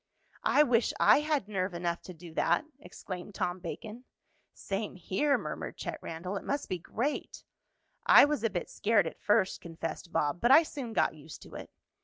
"I wish I had nerve enough to do that!" exclaimed Tom Bacon. "Same here," murmured Chet Randell. "It must be great." "I was a bit scared at first," confessed Bob. "But I soon got used to it."